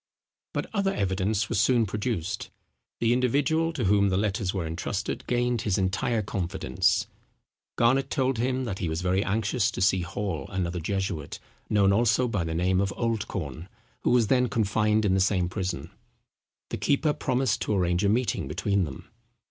But other evidence was soon produced. The individual to whom the letters were entrusted gained his entire confidence. Garnet told him that he was very anxious to see Hall, another jesuit, known also by the name of Oldcorn, who was then confined in the same prison. The keeper promised to arrange a meeting between them.